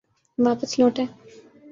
واپس لوٹے۔